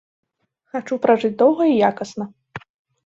Хачу пражыць доўга і якасна.